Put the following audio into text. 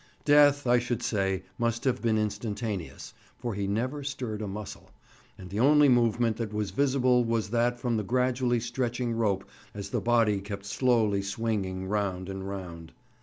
Death, I should say, must have been instantaneous, for he never stirred a muscle, and the only movement that was visible was that from the gradually stretching rope as the body kept slowly swinging round and round.